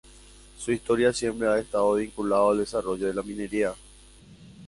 Su historia siempre ha estado vinculada al desarrollo de la minería.